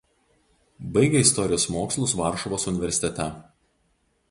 Baigė istorijos mokslus Varšuvos universitete.